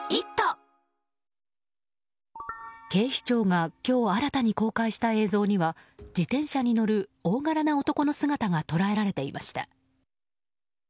警視庁が今日、新たに公開した映像には自転車に乗る、大柄な男の姿が捉えられていました。